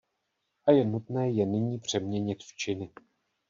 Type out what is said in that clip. A je nutné je nyní přeměnit v činy.